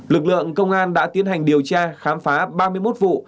lực lượng công an đã tiến hành điều tra khám phá ba mươi một vụ